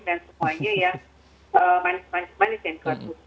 dan semuanya yang manis manis yang dikonsumsi